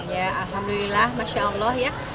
ya alhamdulillah masya allah ya